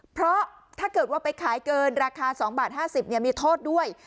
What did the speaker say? เพราะถ้าเกิดว่าไปขายเกินราคา๒บาท๕๐มีโทษด้วย